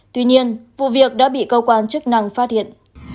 tuy nhiên vụ việc đã bị cơ quan chức năng phát hiện